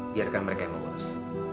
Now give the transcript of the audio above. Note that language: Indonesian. biarkan mereka yang mengurus